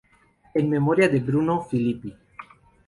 En memoria de Bruno Filippi".